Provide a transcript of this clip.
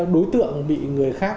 đối tượng bị người khác